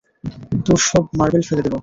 তোর সব মার্বেল ফেলে দেবো।